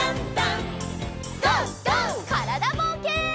からだぼうけん。